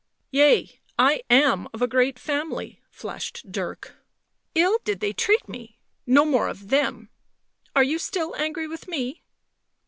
" Yea, I am of a great family," flashed Dirk. "Ill did they treat me. No more of them ... are you still angry with me?"